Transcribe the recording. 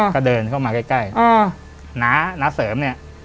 ก็เดินเข้ามาใกล้นาเสริมเนี่ย